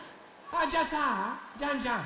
じゃあさジャンジャン！